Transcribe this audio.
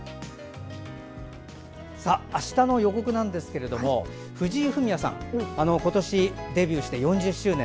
あしたの予告ですが藤井フミヤさん今年デビューして４０周年。